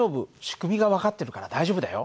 仕組みが分かってるから大丈夫だよ。